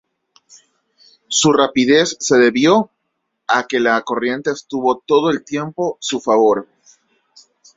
Su rapidez se debió a que la corriente estuvo todo el tiempo su favor.